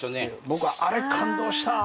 僕あれ感動した。